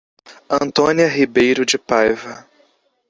Antônia Ribeiro de Paiva